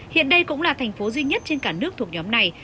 hiện đây cũng là thành phố duy nhất trên cả nước thuộc nhóm này